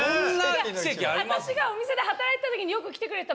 私がお店で働いてた時によく来てくれてた。